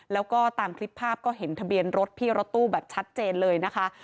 แล้วก็ตามคลิปภาพก็เห็นทะเบียนรถพี่รถตู้แบบชัดเจนเลยนะคะ